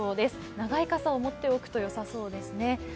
長い傘を持っておくとよさそうですね。